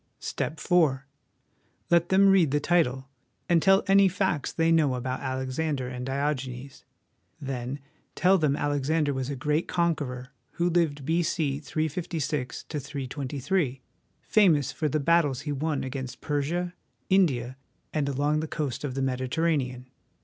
" Step IV. Let them read the title, and tell any facts they know about Alexander and Diogenes ; then tell them Alexander was a great conqueror who lived LESSONS AS INSTRUMENTS OF EDUCATION 31! B.C. 356 323, famous for the battles he won against Persia, India, and along the coast of the Mediterranean.